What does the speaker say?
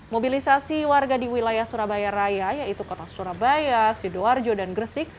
mobilisasi warga di wilayah surabaya raya yaitu kota surabaya sidoarjo dan gresik